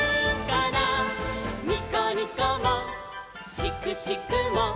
「にこにこもしくしくも」